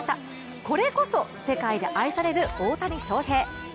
これこそ世界で愛される大谷翔平。